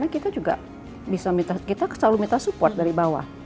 kita juga bisa kita selalu minta support dari bawah